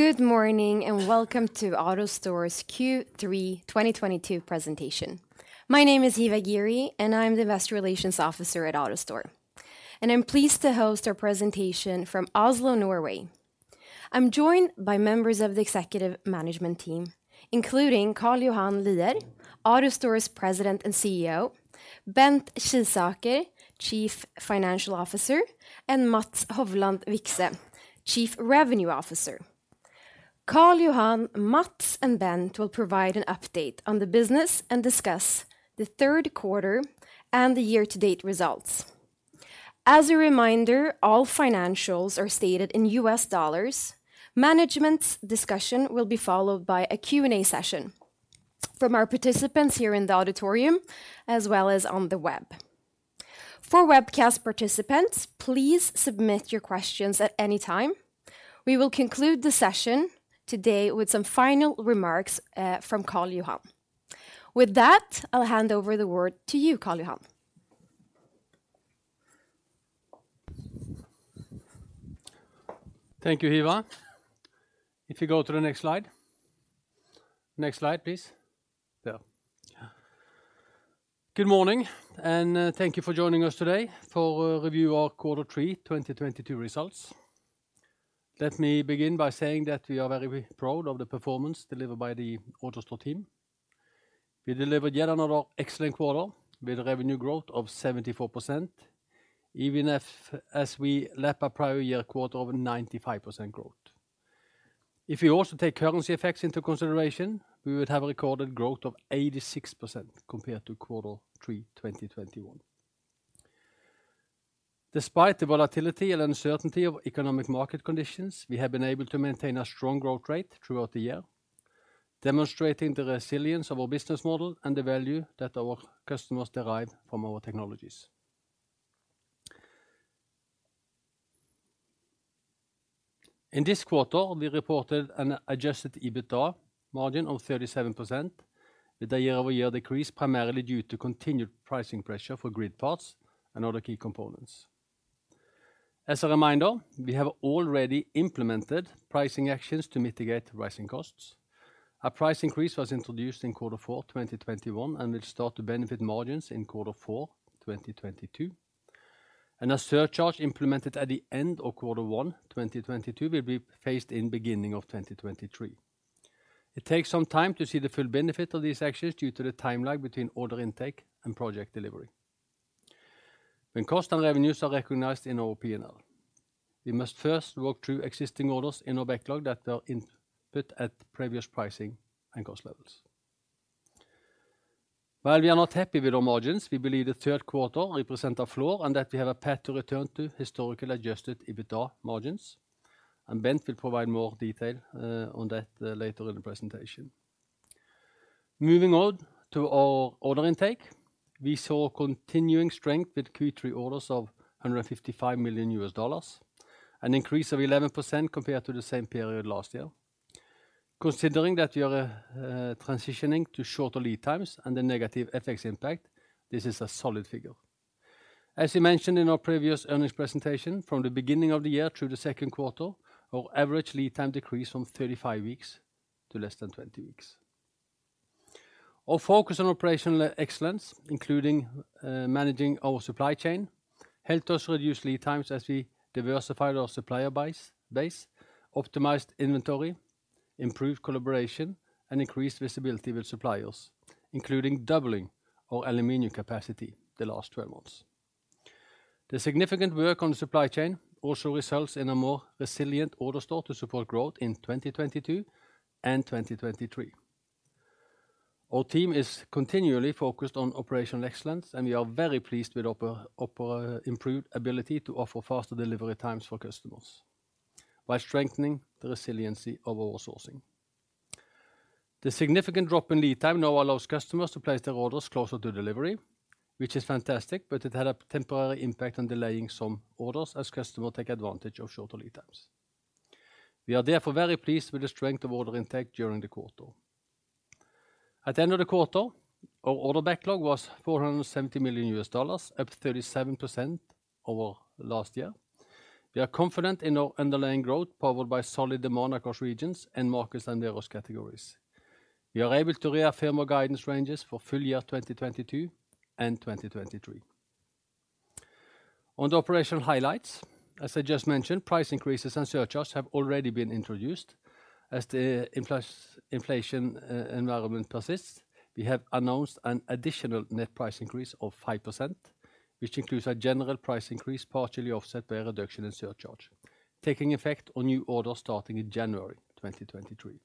Good morning, and welcome to AutoStore's Q3 2022 presentation. My name is Hiva Ghiri and I'm the Investor Relations Officer at AutoStore, and I'm pleased to host our presentation from Oslo, Norway. I'm joined by members of the executive management team, including Karl Johan Lier, AutoStore's President and CEO, Bent Skisaker, Chief Financial Officer, and Mats Hovland Vikse, Chief Revenue Officer. Karl Johan, Mats, and Bent will provide an update on the business and discuss the third quarter and the year-to-date results. As a reminder, all financials are stated in US dollars. Management's discussion will be followed by a Q&A session from our participants here in the auditorium, as well as on the web. For webcast participants, please submit your questions at any time. We will conclude the session today with some final remarks from Karl Johan. With that, I'll hand over the word to you, Karl Johan. Thank you, Hiva. If you go to the next slide. Next slide, please. There. Good morning, and thank you for joining us today for our review of quarter three 2022 results. Let me begin by saying that we are very proud of the performance delivered by the AutoStore team. We delivered yet another excellent quarter with revenue growth of 74%, even as we lap a prior year quarter over 95% growth. If you also take currency effects into consideration, we would have recorded growth of 86% compared to quarter three 2021. Despite the volatility and uncertainty of economic market conditions, we have been able to maintain a strong growth rate throughout the year, demonstrating the resilience of our business model and the value that our customers derive from our technologies. In this quarter, we reported an Adjusted EBITDA margin of 37% with a year-over-year decrease primarily due to continued pricing pressure for grid parts and other key components. As a reminder, we have already implemented pricing actions to mitigate rising costs. A price increase was introduced in quarter four 2021 and will start to benefit margins in quarter four 2022. A surcharge implemented at the end of quarter one 2022 will be phased in beginning of 2023. It takes some time to see the full benefit of these actions due to the timeline between order intake and project delivery. When cost and revenues are recognized in our P&L, we must first work through existing orders in our backlog that are input at previous pricing and cost levels. While we are not happy with our margins, we believe the third quarter represent a floor and that we have a path to return to historical adjusted EBITDA margins, and Bent will provide more detail on that later in the presentation. Moving on to our order intake. We saw continuing strength with Q3 orders of $155 million, an increase of 11% compared to the same period last year. Considering that we are transitioning to shorter lead times and the negative FX impact, this is a solid figure. As we mentioned in our previous earnings presentation, from the beginning of the year through the second quarter, our average lead time decreased from 35 weeks to less than 20 weeks. Our focus on operational excellence, including managing our supply chain, helped us reduce lead times as we diversified our supplier base, optimized inventory, improved collaboration, and increased visibility with suppliers, including doubling our aluminum capacity the last 12 months. The significant work on supply chain also results in a more resilient AutoStore to support growth in 2022 and 2023. Our team is continually focused on operational excellence, and we are very pleased with improved ability to offer faster delivery times for customers by strengthening the resiliency of our sourcing. The significant drop in lead time now allows customers to place their orders closer to delivery, which is fantastic, but it had a temporary impact on delaying some orders as customers take advantage of shorter lead times. We are therefore very pleased with the strength of order intake during the quarter. At the end of the quarter, our order backlog was $470 million, up 37% over last year. We are confident in our underlying growth, powered by solid demand across regions and markets under those categories. We are able to reaffirm our guidance ranges for full year 2022 and 2023. On the operational highlights, as I just mentioned, price increases and surcharges have already been introduced. As the inflation environment persists, we have announced an additional net price increase of 5%, which includes a general price increase partially offset by a reduction in surcharge, taking effect on new orders starting in January 2023.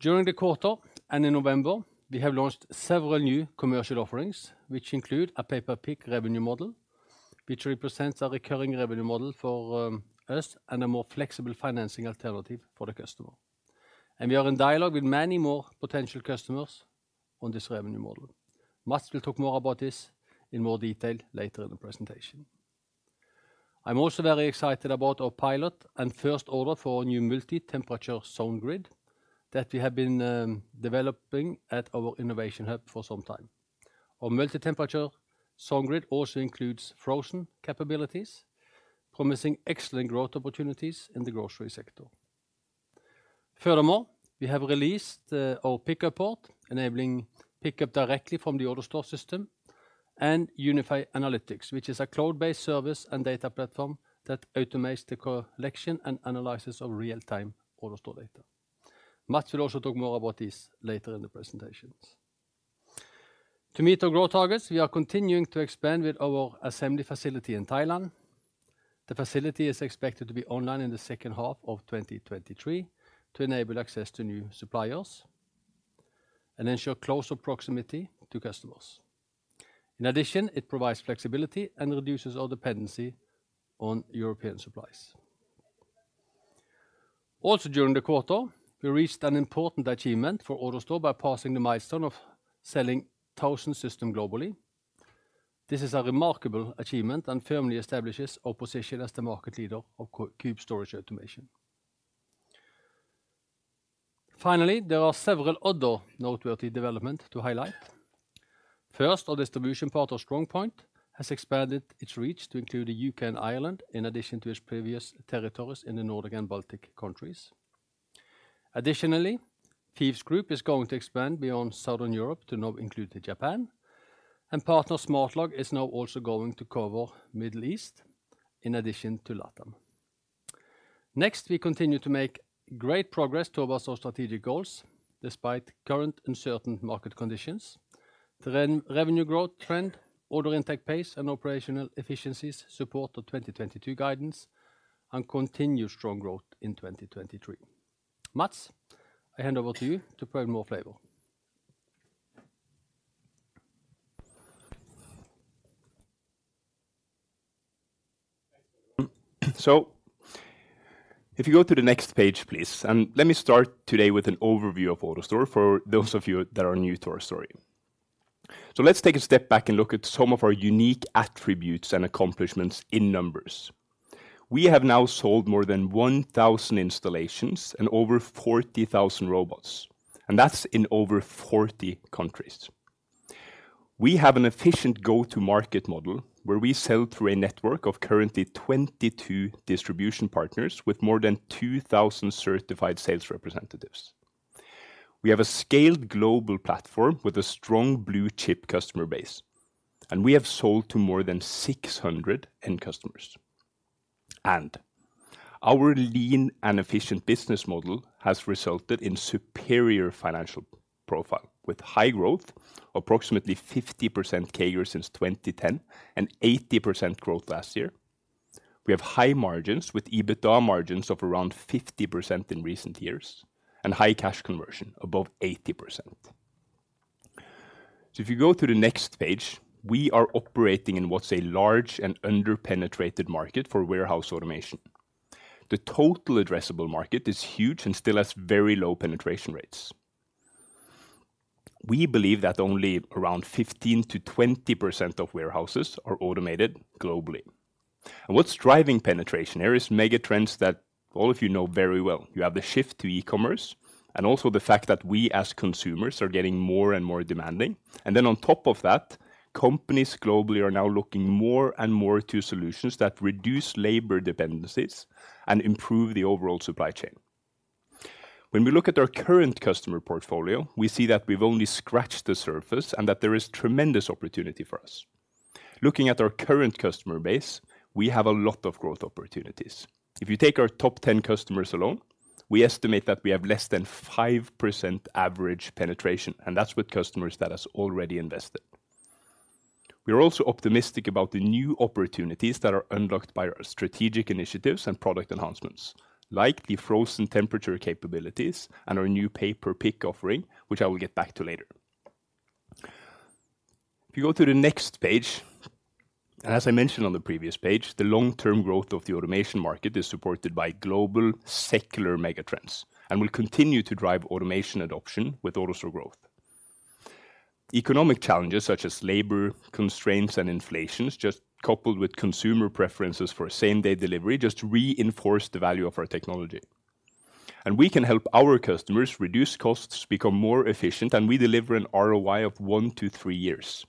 During the quarter and in November, we have launched several new commercial offerings, which include a pay-per-pick revenue model, which represents a recurring revenue model for us and a more flexible financing alternative for the customer. We are in dialogue with many more potential customers on this revenue model. Mats will talk more about this in more detail later in the presentation. I'm also very excited about our pilot and first order for a new Multi-Temperature Solution that we have been developing at our innovation hub for some time. Multi-Temperature Solution also includes frozen capabilities, promising excellent growth opportunities in the grocery sector. Furthermore, we have released our PickUpPort, enabling pickup directly from the AutoStore system and Unify Analytics, which is a cloud-based service and data platform that automates the collection and analysis of real-time AutoStore data. Mats will also talk more about this later in the presentation. To meet our growth targets, we are continuing to expand with our assembly facility in Thailand. The facility is expected to be online in the second half of 2023 to enable access to new suppliers and ensure closer proximity to customers. In addition, it provides flexibility and reduces our dependency on European supplies. Also during the quarter, we reached an important achievement for AutoStore by passing the milestone of selling 1,000 systems globally. This is a remarkable achievement and firmly establishes our position as the market leader of cube storage automation. Finally, there are several other noteworthy developments to highlight. First, our distribution partner StrongPoint has expanded its reach to include the UK and Ireland in addition to its previous territories in the Nordic and Baltic countries. Additionally, TGW Group is going to expand beyond Southern Europe to now include Japan, and partner Smartlog is now also going to cover Middle East in addition to LATAM. Next, we continue to make great progress towards our strategic goals despite current uncertain market conditions. The revenue growth trend, order intake pace, and operational efficiencies support the 2022 guidance and continue strong growth in 2023. Mats, I hand over to you to provide more flavor. If you go to the next page, please, and let me start today with an overview of AutoStore for those of you that are new to our story. Let's take a step back and look at some of our unique attributes and accomplishments in numbers. We have now sold more than 1,000 installations and over 40,000 robots, and that's in over 40 countries. We have an efficient go-to-market model where we sell through a network of currently 22 distribution partners with more than 2,000 certified sales representatives. We have a scaled global platform with a strong blue-chip customer base, and we have sold to more than 600 end customers. Our lean and efficient business model has resulted in superior financial profile with high growth, approximately 50% CAGR since 2010, and 80% growth last year. We have high margins with EBITDA margins of around 50% in recent years and high cash conversion above 80%. If you go to the next page, we are operating in what's a large and under-penetrated market for warehouse automation. The total addressable market is huge and still has very low penetration rates. We believe that only around 15%-20% of warehouses are automated globally. What's driving penetration? There are megatrends that all of you know very well. You have the shift to e-commerce and also the fact that we as consumers are getting more and more demanding. Then on top of that, companies globally are now looking more and more to solutions that reduce labor dependencies and improve the overall supply chain. When we look at our current customer portfolio, we see that we've only scratched the surface and that there is tremendous opportunity for us. Looking at our current customer base, we have a lot of growth opportunities. If you take our top 10 customers alone, we estimate that we have less than 5% average penetration, and that's with customers that has already invested. We are also optimistic about the new opportunities that are unlocked by our strategic initiatives and product enhancements, like the frozen temperature capabilities and our new pay-per-pick offering, which I will get back to later. If you go to the next page, and as I mentioned on the previous page, the long-term growth of the automation market is supported by global secular mega trends and will continue to drive automation adoption with AutoStore growth. Economic challenges such as labor constraints and inflation, just coupled with consumer preferences for same-day delivery, just reinforce the value of our technology. We can help our customers reduce costs, become more efficient, and we deliver an ROI of 1-3 years.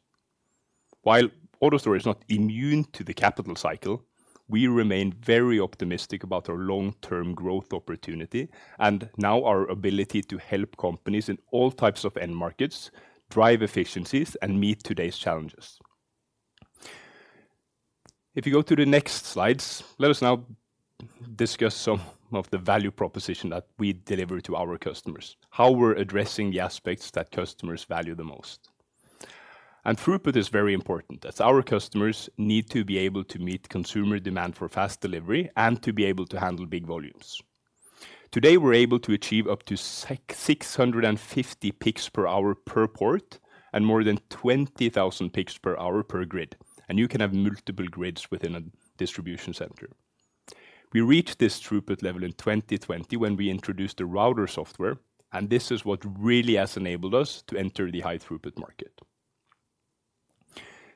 While AutoStore is not immune to the capital cycle, we remain very optimistic about our long-term growth opportunity and now our ability to help companies in all types of end markets drive efficiencies and meet today's challenges. If you go to the next slides, let us now discuss some of the value proposition that we deliver to our customers, how we're addressing the aspects that customers value the most. Throughput is very important, as our customers need to be able to meet consumer demand for fast delivery and to be able to handle big volumes. Today, we're able to achieve up to 650 picks per hour per port and more than 20,000 picks per hour per grid. You can have multiple grids within a distribution center. We reached this throughput level in 2020 when we introduced the Router software, and this is what really has enabled us to enter the high-throughput market.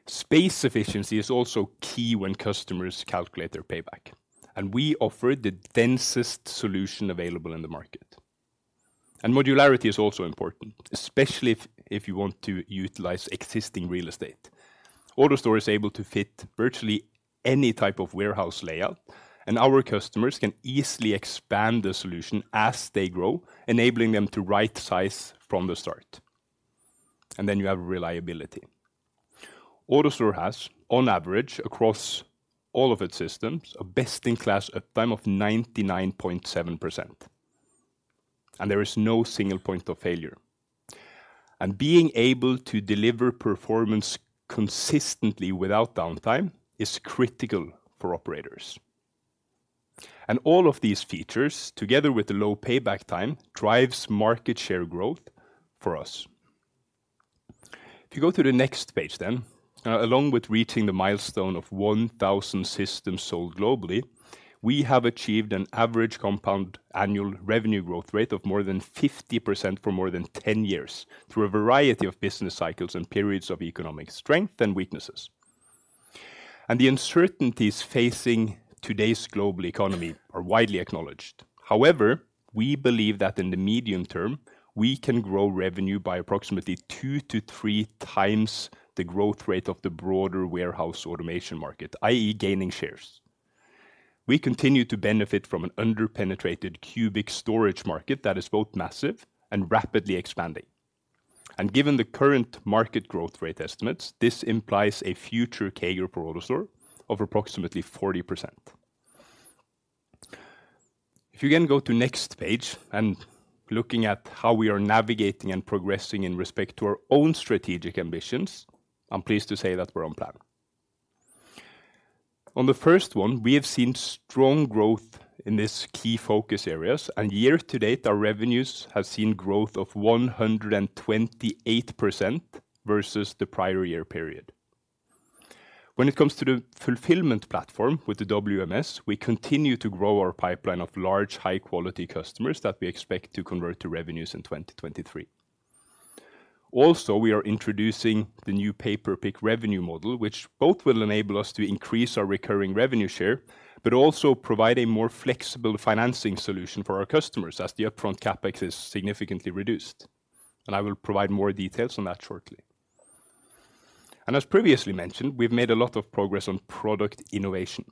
Space efficiency is also key when customers calculate their payback, and we offer the densest solution available in the market. Modularity is also important, especially if you want to utilize existing real estate. AutoStore is able to fit virtually any type of warehouse layout, and our customers can easily expand the solution as they grow, enabling them to right size from the start. Then you have reliability. AutoStore has, on average, across all of its systems, a best-in-class uptime of 99.7%, and there is no single point of failure. Being able to deliver performance consistently without downtime is critical for operators. All of these features, together with the low payback time, drives market share growth for us. If you go to the next page, then along with reaching the milestone of 1,000 systems sold globally, we have achieved an average compound annual revenue growth rate of more than 50% for more than 10 years through a variety of business cycles and periods of economic strength and weaknesses. The uncertainties facing today's global economy are widely acknowledged. However, we believe that in the medium term, we can grow revenue by approximately 2-3 times the growth rate of the broader warehouse automation market, i.e. gaining shares. We continue to benefit from an under-penetrated cubic storage market that is both massive and rapidly expanding. Given the current market growth rate estimates, this implies a future CAGR for AutoStore of approximately 40%. If you can go to next page, and looking at how we are navigating and progressing in respect to our own strategic ambitions, I'm pleased to say that we're on plan. On the first one, we have seen strong growth in these key focus areas, and year to date, our revenues have seen growth of 128% versus the prior year period. When it comes to the fulfillment platform with the WMS, we continue to grow our pipeline of large, high quality customers that we expect to convert to revenues in 2023. Also, we are introducing the new pay-per-pick revenue model, which both will enable us to increase our recurring revenue share, but also provide a more flexible financing solution for our customers as the upfront CapEx is significantly reduced. I will provide more details on that shortly. As previously mentioned, we've made a lot of progress on product innovation.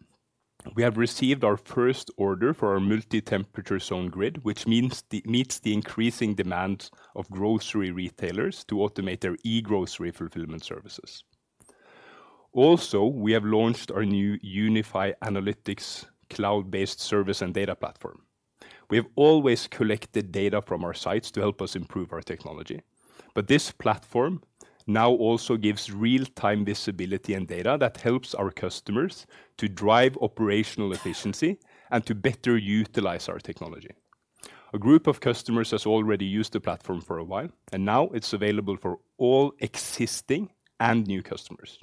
We have received our first order for our multi-temperature zone grid, which meets the increasing demand of grocery retailers to automate their eGrocery fulfillment services. Also, we have launched our new Unify Analytics cloud-based service and data platform. We have always collected data from our sites to help us improve our technology, but this platform now also gives real-time visibility and data that helps our customers to drive operational efficiency and to better utilize our technology. A group of customers has already used the platform for a while, and now it's available for all existing and new customers.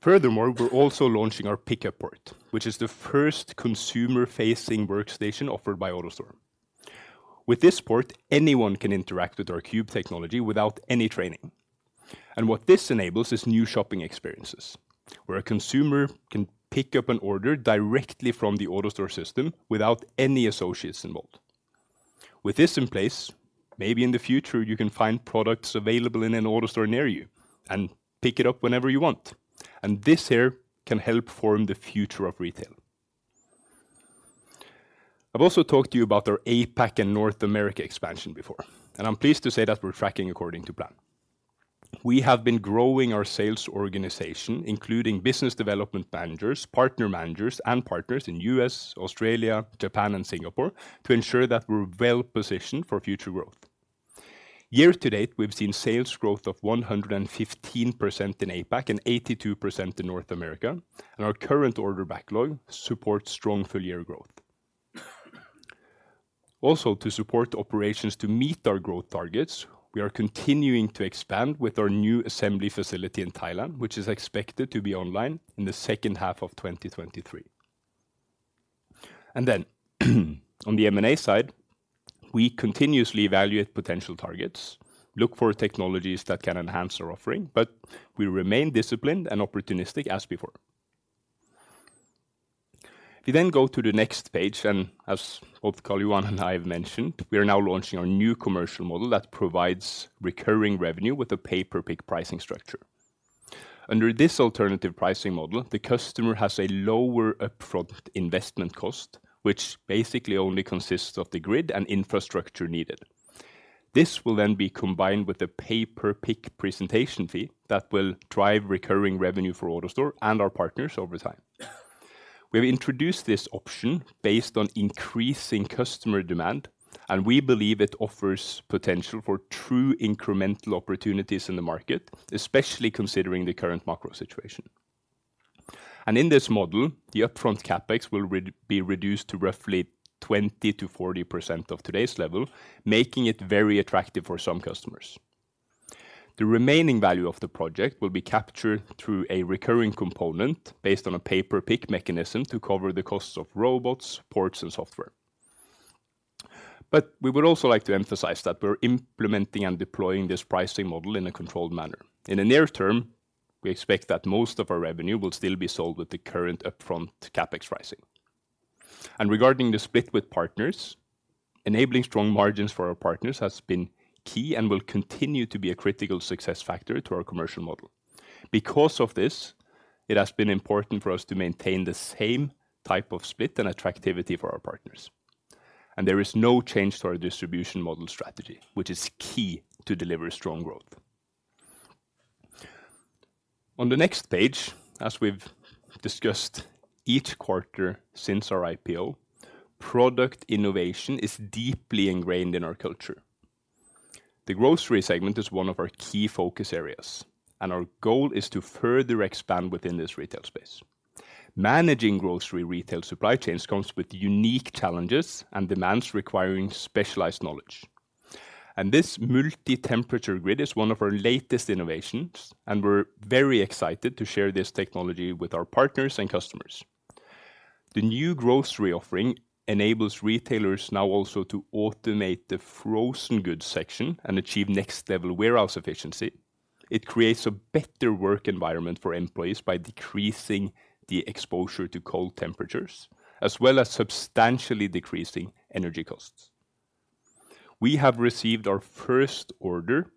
Furthermore, we're also launching our PickUpPort, which is the first consumer-facing workstation offered by AutoStore. With this port, anyone can interact with our cube technology without any training. What this enables is new shopping experiences, where a consumer can pick up an order directly from the AutoStore system without any associates involved. With this in place, maybe in the future, you can find products available in an AutoStore near you and pick it up whenever you want. This here can help form the future of retail. I've also talked to you about our APAC and North America expansion before, and I'm pleased to say that we're tracking according to plan. We have been growing our sales organization, including business development managers, partner managers, and partners in U.S., Australia, Japan, and Singapore, to ensure that we're well-positioned for future growth. Year to date, we've seen sales growth of 115% in APAC and 82% in North America, and our current order backlog supports strong full-year growth. Also, to support operations to meet our growth targets, we are continuing to expand with our new assembly facility in Thailand, which is expected to be online in the second half of 2023. On the M&A side, we continuously evaluate potential targets, look for technologies that can enhance our offering, but we remain disciplined and opportunistic as before. If you then go to the next page, and as both Karl Johan and I have mentioned, we are now launching our new commercial model that provides recurring revenue with a pay-per-pick pricing structure. Under this alternative pricing model, the customer has a lower upfront investment cost, which basically only consists of the grid and infrastructure needed. This will then be combined with a pay-per-pick presentation fee that will drive recurring revenue for AutoStore and our partners over time. We've introduced this option based on increasing customer demand, and we believe it offers potential for true incremental opportunities in the market, especially considering the current macro situation. In this model, the upfront CapEx will be reduced to roughly 20%-40% of today's level, making it very attractive for some customers. The remaining value of the project will be captured through a recurring component based on a pay-per-pick mechanism to cover the costs of robots, ports, and software. We would also like to emphasize that we're implementing and deploying this pricing model in a controlled manner. In the near term, we expect that most of our revenue will still be sold with the current upfront CapEx pricing. Regarding the split with partners, enabling strong margins for our partners has been key and will continue to be a critical success factor to our commercial model. Because of this, it has been important for us to maintain the same type of split and attractivity for our partners. There is no change to our distribution model strategy, which is key to deliver strong growth. On the next page, as we've discussed each quarter since our IPO, product innovation is deeply ingrained in our culture. The grocery segment is one of our key focus areas, and our goal is to further expand within this retail space. Managing grocery retail supply chains comes with unique challenges and demands requiring specialized knowledge. This multi-temperature grid is one of our latest innovations, and we're very excited to share this technology with our partners and customers. The new grocery offering enables retailers now also to automate the frozen goods section and achieve next level warehouse efficiency. It creates a better work environment for employees by decreasing the exposure to cold temperatures, as well as substantially decreasing energy costs. We have received our first order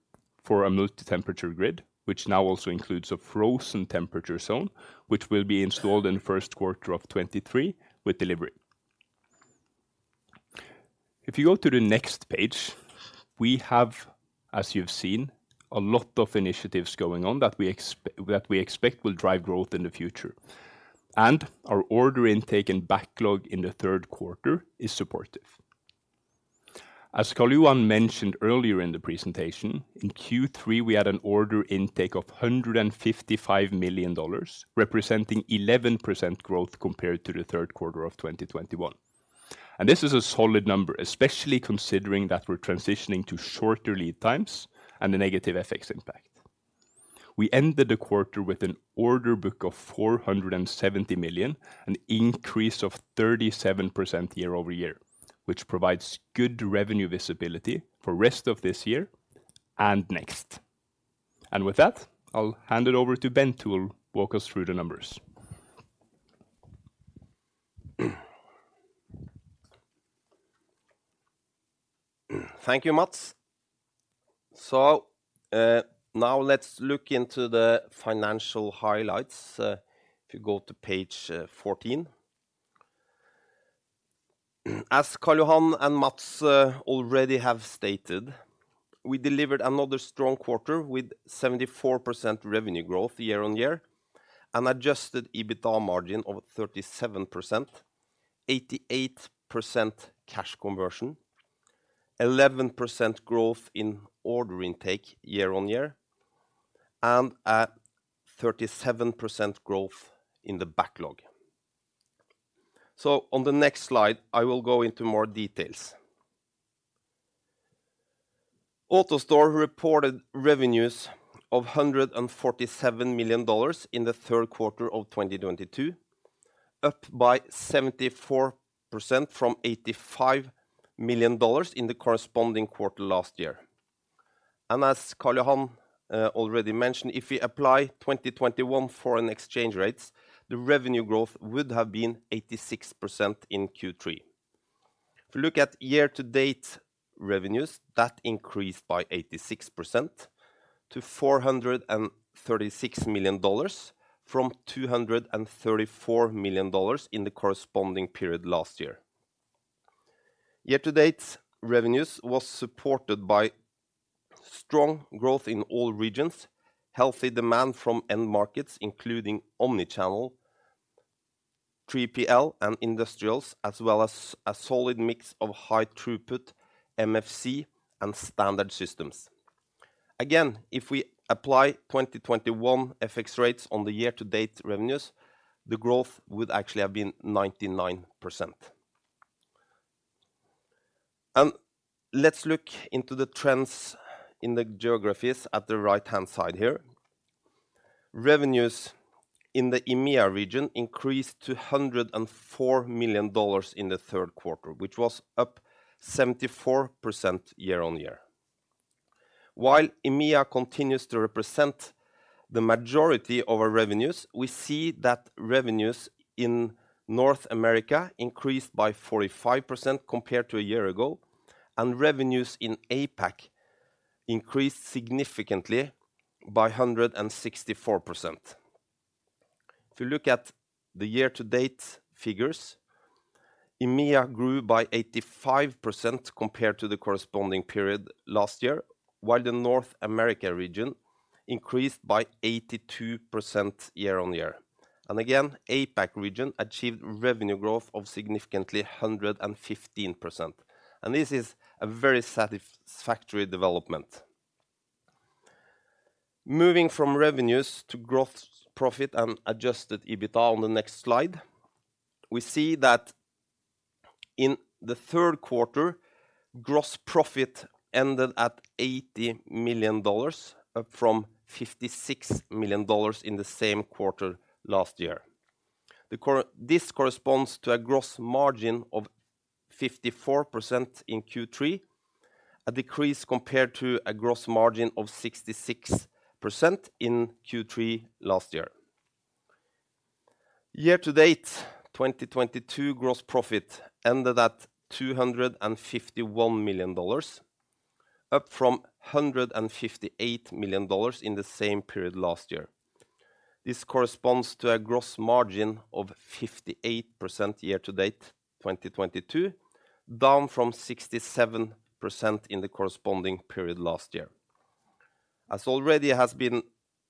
for a multi-temperature grid, which now also includes a frozen temperature zone, which will be installed in first quarter of 2023 with delivery. If you go to the next page, we have, as you've seen, a lot of initiatives going on that we expect will drive growth in the future. Our order intake and backlog in the third quarter is supportive. As Karl Johan mentioned earlier in the presentation, in Q3, we had an order intake of $155 million, representing 11% growth compared to the third quarter of 2021. This is a solid number, especially considering that we're transitioning to shorter lead times and a negative FX impact. We ended the quarter with an order book of $470 million, an increase of 37% year-over-year, which provides good revenue visibility for rest of this year and next. With that, I'll hand it over to Bent who will walk us through the numbers. Thank you, Mats. Now let's look into the financial highlights, if you go to page fourteen. As Karl Johan and Mats already have stated, we delivered another strong quarter with 74% revenue growth year-on-year, an Adjusted EBITDA margin of 37%, 88% cash conversion, 11% growth in order intake year-on-year, and a 37% growth in the backlog. On the next slide, I will go into more details. AutoStore reported revenues of $147 million in the third quarter of 2022, up by 74% from $85 million in the corresponding quarter last year. As Karl Johan already mentioned, if we apply 2021 foreign exchange rates, the revenue growth would have been 86% in Q3. If you look at year-to-date revenues, that increased by 86% to $436 million from $234 million in the corresponding period last year. Year-to-date revenues was supported by strong growth in all regions, healthy demand from end markets, including omni-channel, 3PL and industrials, as well as a solid mix of high throughput MFC and standard systems. Again, if we apply 2021 FX rates on the year-to-date revenues, the growth would actually have been 99%. Let's look into the trends in the geographies at the right-hand side here. Revenues in the EMEA region increased to $104 million in the third quarter, which was up 74% year-on-year. While EMEA continues to represent the majority of our revenues, we see that revenues in North America increased by 45% compared to a year ago, and revenues in APAC increased significantly by 164%. If you look at the year-to-date figures, EMEA grew by 85% compared to the corresponding period last year, while the North America region increased by 82% year on year. Again, APAC region achieved revenue growth of significantly 115%, and this is a very satisfactory development. Moving from revenues to gross profit and Adjusted EBITDA on the next slide, we see that in the third quarter, gross profit ended at $80 million, up from $56 million in the same quarter last year. This corresponds to a gross margin of 54% in Q3, a decrease compared to a gross margin of 66% in Q3 last year. Year to date, 2022 gross profit ended at $251 million, up from $158 million in the same period last year. This corresponds to a gross margin of 58% year to date 2022, down from 67% in the corresponding period last year. As has already been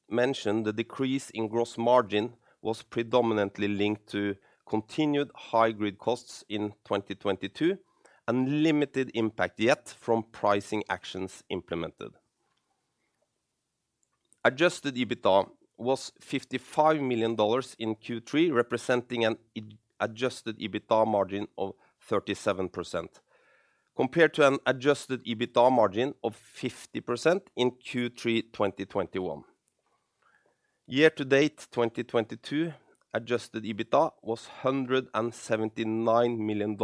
mentioned, the decrease in gross margin was predominantly linked to continued high grid costs in 2022 and limited impact yet from pricing actions implemented. Adjusted EBITDA was $55 million in Q3, representing an adjusted EBITDA margin of 37% compared to an adjusted EBITDA margin of 50% in Q3 2021. Year to date, 2022 adjusted EBITDA was $179 million,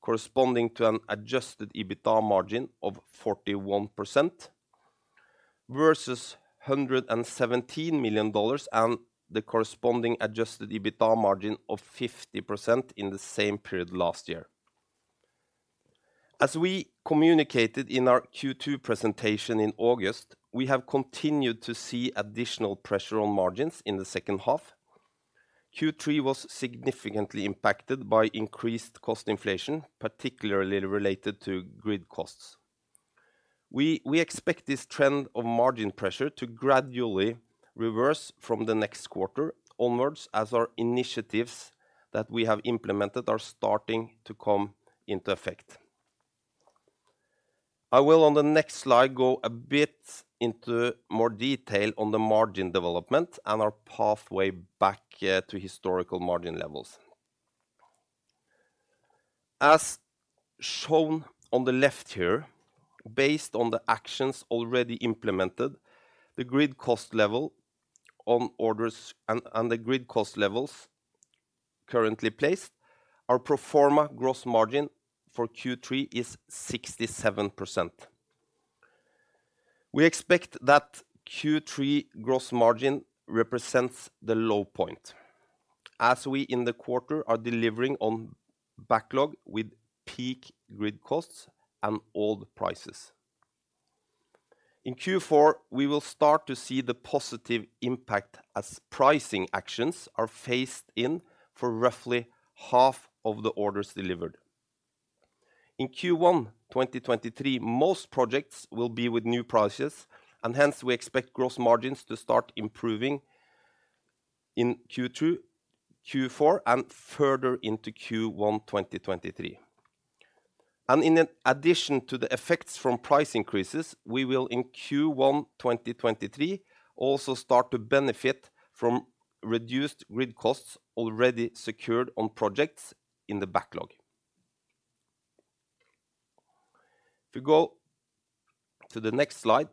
corresponding to an adjusted EBITDA margin of 41% versus $117 million and the corresponding adjusted EBITDA margin of 50% in the same period last year. As we communicated in our Q2 presentation in August, we have continued to see additional pressure on margins in the second half. Q3 was significantly impacted by increased cost inflation, particularly related to grid costs. We expect this trend of margin pressure to gradually reverse from the next quarter onwards as our initiatives that we have implemented are starting to come into effect. I will on the next slide go a bit into more detail on the margin development and our pathway back to historical margin levels. As shown on the left here, based on the actions already implemented, the grid cost level on orders and the grid cost levels currently placed, our pro forma gross margin for Q3 is 67%. We expect that Q3 gross margin represents the low point as we in the quarter are delivering on backlog with peak grid costs and old prices. In Q4, we will start to see the positive impact as pricing actions are phased in for roughly half of the orders delivered. In Q1 2023, most projects will be with new prices, and hence we expect gross margins to start improving in Q2, Q4, and further into Q1 2023. In addition to the effects from price increases, we will in Q1 2023 also start to benefit from reduced grid costs already secured on projects in the backlog. If you go to the next slide,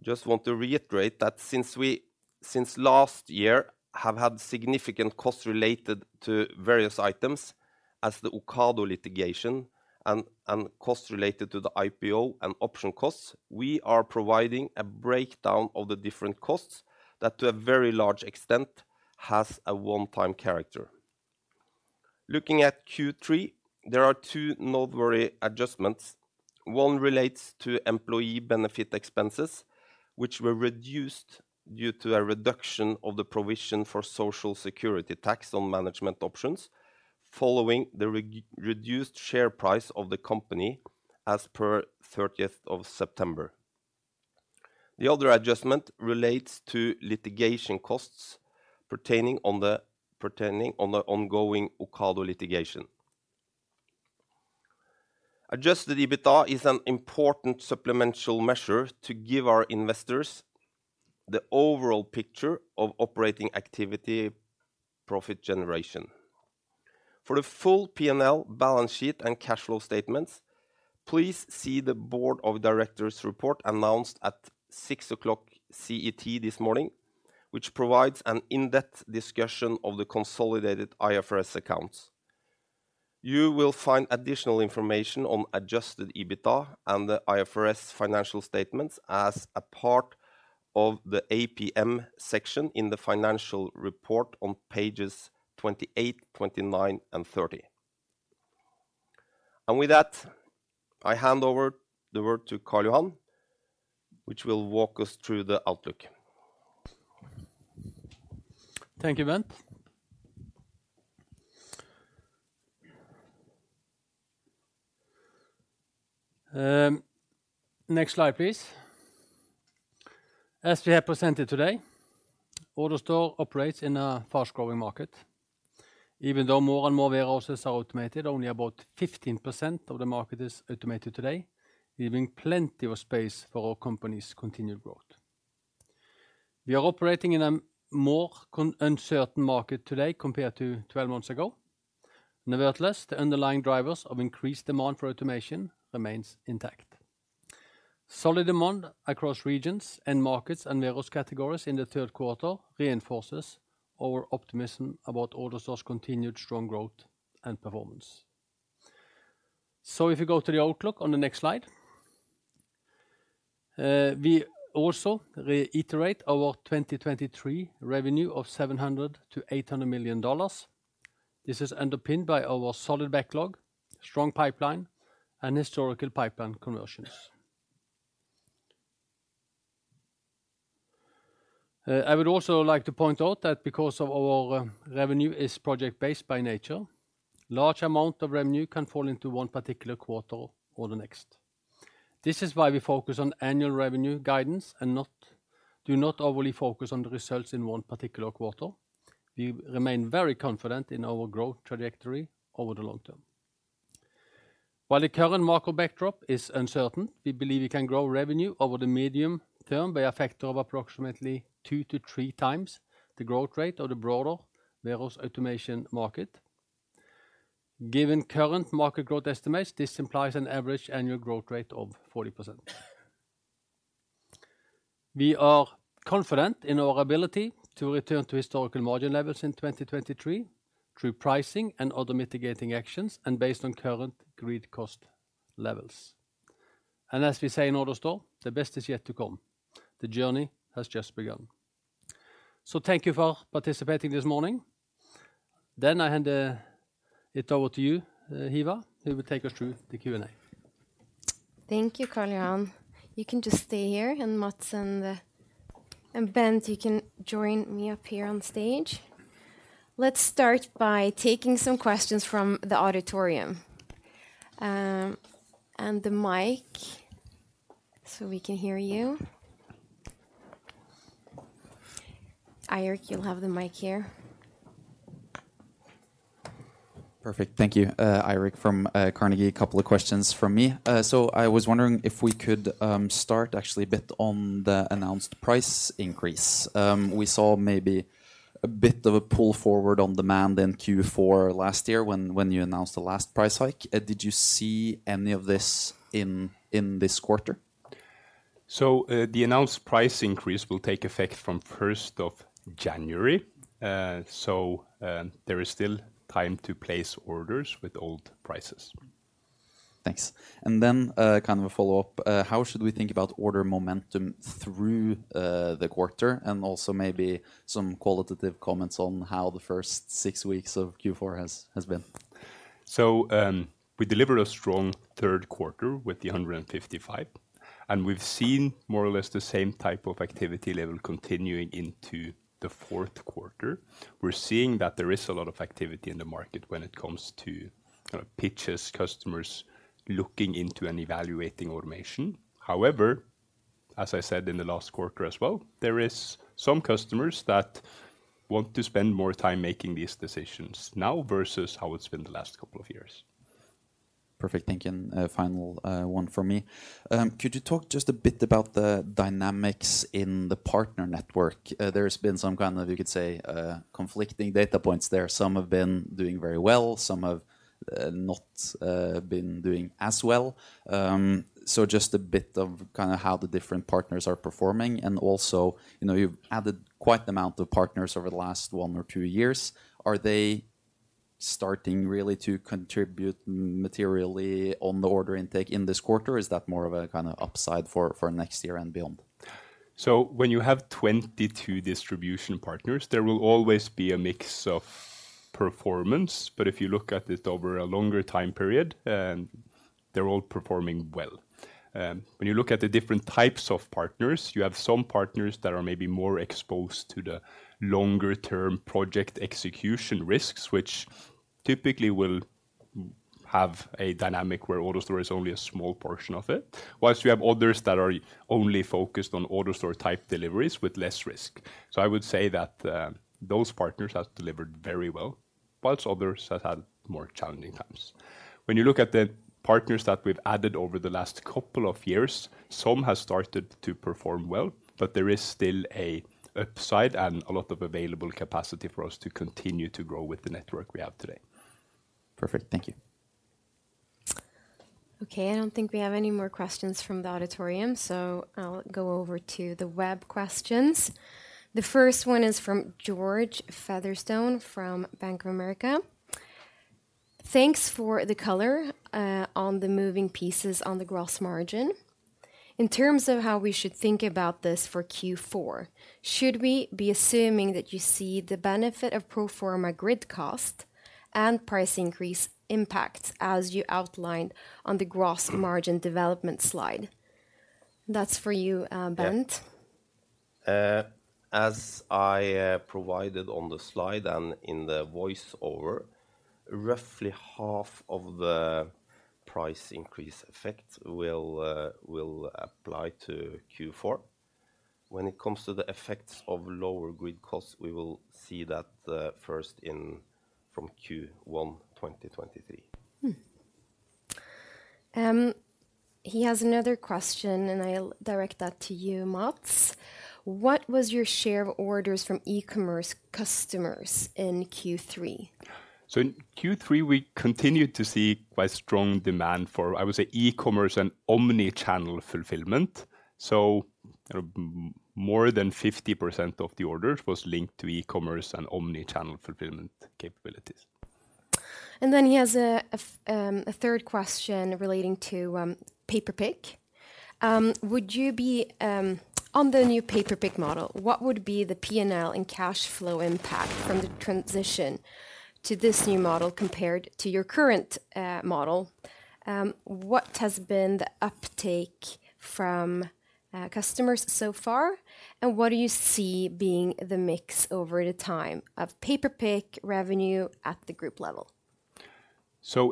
just want to reiterate that since last year have had significant costs related to various items as the Ocado litigation and costs related to the IPO and option costs, we are providing a breakdown of the different costs that to a very large extent has a one-time character. Looking at Q3, there are two noteworthy adjustments. One relates to employee benefit expenses, which were reduced due to a reduction of the provision for Social Security tax on management options following the reduced share price of the company as per 30th of September. The other adjustment relates to litigation costs pertaining to the ongoing Ocado litigation. Adjusted EBITDA is an important supplemental measure to give our investors the overall picture of operating activity profit generation. For the full P&L balance sheet and cash flow statements, please see the board of directors report announced at six o'clock CET this morning, which provides an in-depth discussion of the consolidated IFRS accounts. You will find additional information on adjusted EBITDA and the IFRS financial statements as a part of the APM section in the financial report on pages 28, 29 and 30. With that, I hand over the word to Karl Johan Lier, who will walk us through the outlook. Thank you, Bent. Next slide, please. As we have presented today, AutoStore operates in a fast-growing market. Even though more and more warehouses are automated, only about 15% of the market is automated today, leaving plenty of space for our company's continued growth. We are operating in a more uncertain market today compared to 12 months ago. Nevertheless, the underlying drivers of increased demand for automation remains intact. Solid demand across regions and markets and various categories in the third quarter reinforces our optimism about AutoStore's continued strong growth and performance. If you go to the outlook on the next slide. We also reiterate our 2023 revenue of $700 million-$800 million. This is underpinned by our solid backlog, strong pipeline, and historical pipeline conversions. I would also like to point out that because of our revenue is project-based by nature, large amount of revenue can fall into one particular quarter or the next. This is why we focus on annual revenue guidance and do not overly focus on the results in one particular quarter. We remain very confident in our growth trajectory over the long term. While the current market backdrop is uncertain, we believe we can grow revenue over the medium term by a factor of approximately two to three times the growth rate of the broader warehouse automation market. Given current market growth estimates, this implies an average annual growth rate of 40%. We are confident in our ability to return to historical margin levels in 2023 through pricing and other mitigating actions, and based on current grid cost levels. As we say in AutoStore, "The best is yet to come. The journey has just begun." Thank you for participating this morning. I hand it over to you, Hiva, who will take us through the Q&A. Thank you, Karl Johan. You can just stay here, and Mats and Bent, you can join me up here on stage. Let's start by taking some questions from the auditorium. The mic so we can hear you. Eirik, you'll have the mic here. Perfect. Thank you. Eirik from Carnegie. A couple of questions from me. I was wondering if we could start actually a bit on the announced price increase. We saw maybe a bit of a pull forward on demand in Q4 last year when you announced the last price hike. Did you see any of this in this quarter? The announced price increase will take effect from first of January, so there is still time to place orders with old prices. Thanks. Kind of a follow-up. How should we think about order momentum through the quarter? Also maybe some qualitative comments on how the first six weeks of Q4 has been. We delivered a strong third quarter with the 155, and we've seen more or less the same type of activity level continuing into the fourth quarter. We're seeing that there is a lot of activity in the market when it comes to kind of pitches, customers looking into and evaluating automation. However, as I said in the last quarter as well, there is some customers that want to spend more time making these decisions now versus how it's been the last couple of years. Perfect. Thank you. A final one from me. Could you talk just a bit about the dynamics in the partner network? There's been some kind of, you could say, conflicting data points there. Some have been doing very well, some have not been doing as well. Just a bit of kind of how the different partners are performing. Also, you know, you've added quite amount of partners over the last 1 or 2 years. Are they starting really to contribute materially on the order intake in this quarter? Is that more of a kind of upside for next year and beyond? When you have 22 distribution partners, there will always be a mix of performance. If you look at it over a longer time period, they're all performing well. When you look at the different types of partners, you have some partners that are maybe more exposed to the longer-term project execution risks, which typically will have a dynamic where AutoStore is only a small portion of it, while you have others that are only focused on AutoStore-type deliveries with less risk. I would say that those partners have delivered very well, while others have had more challenging times. When you look at the partners that we've added over the last couple of years, some have started to perform well, but there is still an upside and a lot of available capacity for us to continue to grow with the network we have today. Perfect. Thank you. Okay. I don't think we have any more questions from the auditorium, so I'll go over to the web questions. The first one is from George Featherstone from Bank of America. Thanks for the color on the moving pieces on the gross margin. In terms of how we should think about this for Q4, should we be assuming that you see the benefit of pro forma grid cost and price increase impact as you outlined on the gross margin development slide? That's for you, Bent. Yeah. As I provided on the slide and in the voice over, roughly half of the price increase effect will apply to Q4. When it comes to the effects of lower grid costs, we will see that first in from Q1 2023. He has another question, and I'll direct that to you, Mats. What was your share of orders from e-commerce customers in Q3? In Q3, we continued to see quite strong demand for, I would say, e-commerce and omni-channel fulfillment. More than 50% of the orders was linked to e-commerce and omni-channel fulfillment capabilities. He has a third question relating to pay-per-pick. Would you be on the new pay-per-pick model, what would be the P&L and cash flow impact from the transition to this new model compared to your current model? What has been the uptake from customers so far? What do you see being the mix over the time of pay-per-pick revenue at the group level?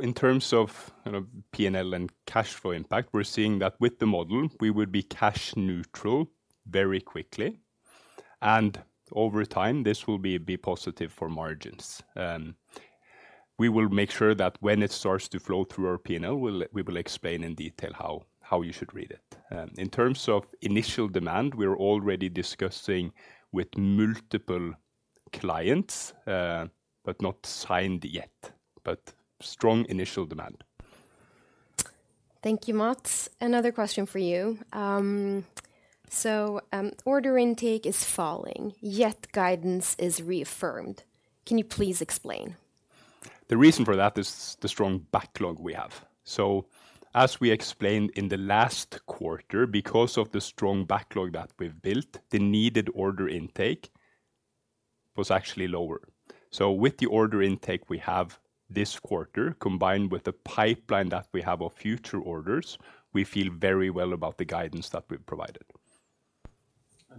In terms of, you know, P&L and cash flow impact, we're seeing that with the model, we would be cash neutral very quickly, and over time this will be positive for margins. We will make sure that when it starts to flow through our P&L, we will explain in detail how you should read it. In terms of initial demand, we're already discussing with multiple clients, but not signed yet, but strong initial demand. Thank you, Mats. Another question for you. Order intake is falling, yet guidance is reaffirmed. Can you please explain? The reason for that is the strong backlog we have. As we explained in the last quarter, because of the strong backlog that we've built, the needed order intake was actually lower. With the order intake we have this quarter, combined with the pipeline that we have of future orders, we feel very well about the guidance that we've provided.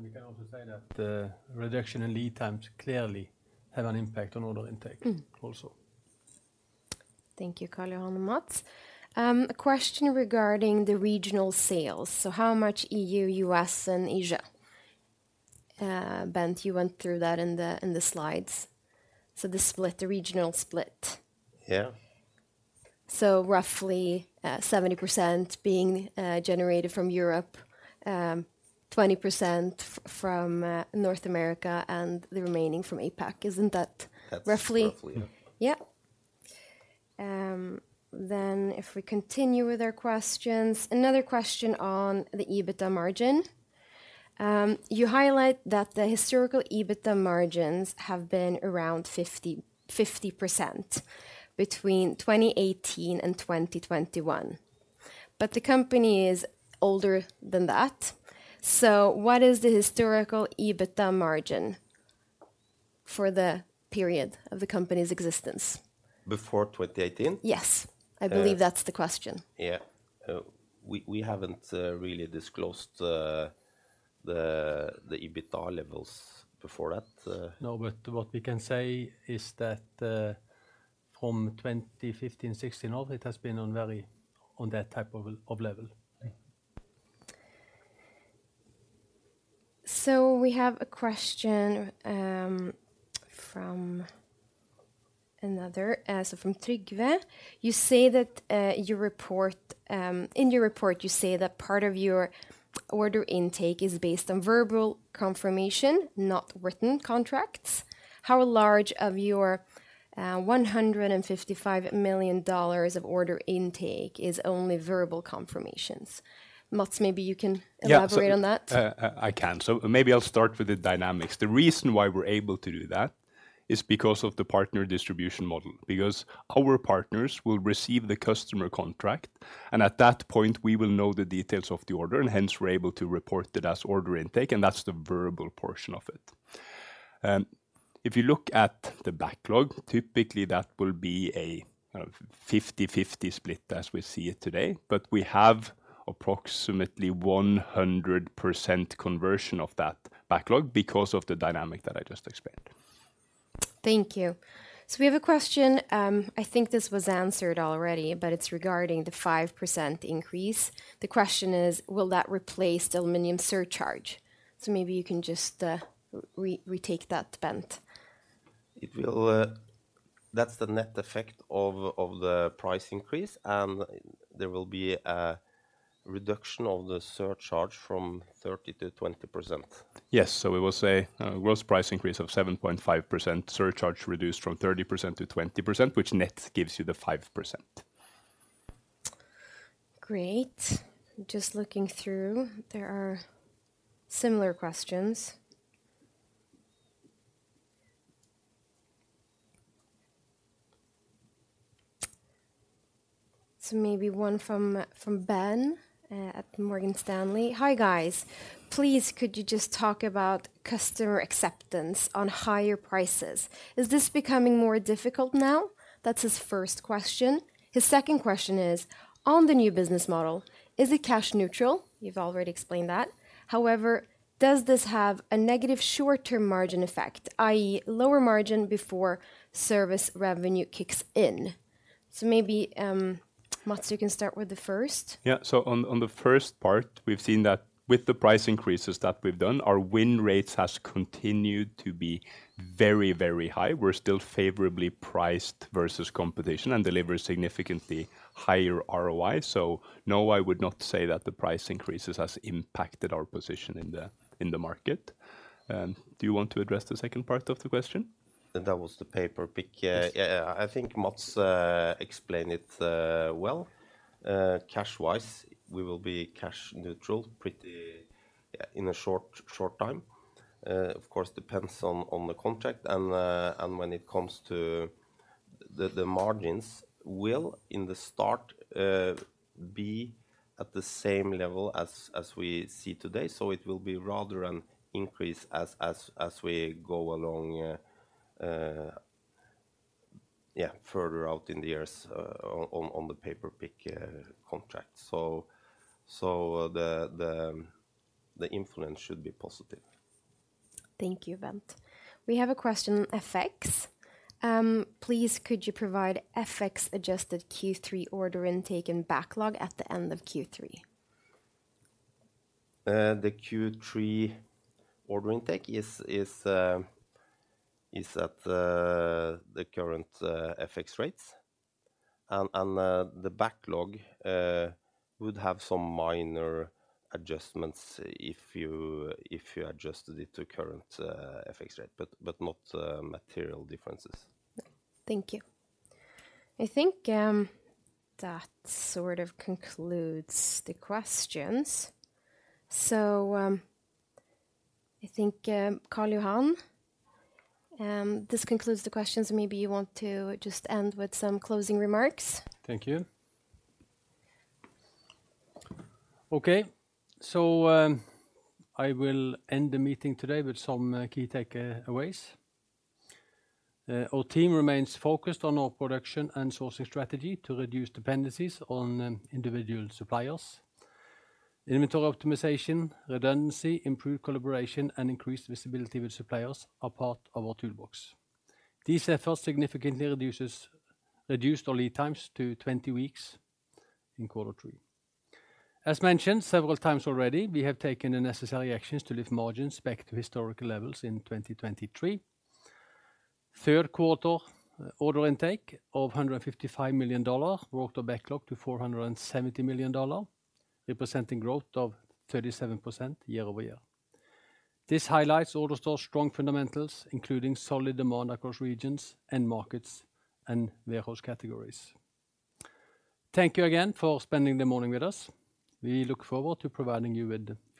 We can also say that the reduction in lead times clearly have an impact on order intake also. Thank you, Karl Johan and Mats. A question regarding the regional sales. How much EU, US, and Asia? Bent, you went through that in the slides. The regional split. Yeah. Roughly 70% being generated from Europe, 20% from North America, and the remaining from APAC. Isn't that roughly? That's roughly, yeah. Yeah. If we continue with our questions, another question on the EBITDA margin. You highlight that the historical EBITDA margins have been around 50-50% between 2018 and 2021, but the company is older than that. What is the historical EBITDA margin for the period of the company's existence? Before 2018? Yes. Uh- I believe that's the question. Yeah. We haven't really disclosed the EBITDA levels before that. No, what we can say is that, from 2015, 2016 on, it has been on that type of level. We have a question from Trygve. You say that in your report, part of your order intake is based on verbal confirmation, not written contracts. How large of your $155 million of order intake is only verbal confirmations? Mats, maybe you can elaborate on that. Maybe I'll start with the dynamics. The reason why we're able to do that is because of the partner distribution model, because our partners will receive the customer contract, and at that point, we will know the details of the order, and hence we're able to report it as order intake, and that's the verbal portion of it. If you look at the backlog, typically that will be a 50/50 split as we see it today, but we have approximately 100% conversion of that backlog because of the dynamic that I just explained. Thank you. We have a question. I think this was answered already, but it's regarding the 5% increase. The question is, will that replace the aluminum surcharge? Maybe you can just retake that, Bent. It will. That's the net effect of the price increase, and there will be a reduction of the surcharge from 30% to 20%. Yes. We will say a gross price increase of 7.5%, surcharge reduced from 30% to 20%, which net gives you the 5%. Great. Just looking through. There are similar questions. Maybe one from Ben at Morgan Stanley. "Hi, guys. Please, could you just talk about customer acceptance on higher prices? Is this becoming more difficult now?" That's his first question. His second question is: "On the new business model, is it cash neutral?" You've already explained that. "However, does this have a negative short-term margin effect, i.e., lower margin before service revenue kicks in?" Maybe Mats, you can start with the first. Yeah. On the first part, we've seen that with the price increases that we've done, our win rates has continued to be very, very high. We're still favorably priced versus competition and deliver significantly higher ROI. No, I would not say that the price increases has impacted our position in the market. Do you want to address the second part of the question? That was the paper pick. Yes. Yeah, I think Mats explained it, well. Cash-wise, we will be cash neutral pretty, yeah, in a short time. Of course depends on the contract and when it comes to the margins will in the start be at the same level as we see today. It will be rather an increase as we go along, yeah, further out in the years on the pay-per-pick contract. The influence should be positive. Thank you, Bent. We have a question on FX. Please could you provide FX-adjusted Q3 order intake and backlog at the end of Q3? The Q3 order intake is at the current FX rates and the backlog would have some minor adjustments if you adjusted it to current FX rate, but not material differences. Thank you. I think that sort of concludes the questions. I think, Karl Johan, this concludes the questions. Maybe you want to just end with some closing remarks. Thank you. Okay. I will end the meeting today with some key takeaways. Our team remains focused on our production and sourcing strategy to reduce dependencies on individual suppliers. Inventory optimization, redundancy, improved collaboration, and increased visibility with suppliers are part of our toolbox. These efforts significantly reduced our lead times to 20 weeks in quarter three. As mentioned several times already, we have taken the necessary actions to lift margins back to historical levels in 2023. Third quarter order intake of $155 million brought the backlog to $470 million, representing growth of 37% year-over-year. This highlights AutoStore's strong fundamentals, including solid demand across regions and markets and warehouse categories. Thank you again for spending the morning with us. We look forward to providing you with.